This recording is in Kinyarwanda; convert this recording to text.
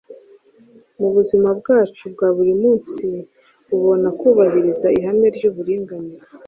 Mu buzima bwacu bwa buri munsi ubona kubahiriza ihame ry’uburinganire